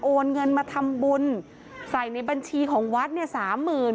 โอนเงินมาทำบุญใส่ในบัญชีของวัดเนี่ยสามหมื่น